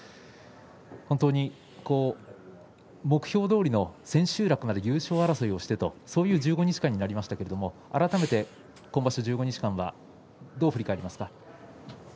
本当に目標どおりの千秋楽まで優勝争いをしてという１５日間になりましたけれど改めて今場所１５日間はどう振り返りますか。